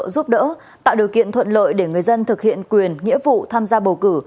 giúp đỡ tạo điều kiện thuận lợi để người dân thực hiện quyền nghĩa vụ tham gia bầu cử